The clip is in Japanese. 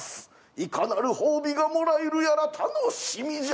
いかなる褒美がもらえるやら楽しみじゃ。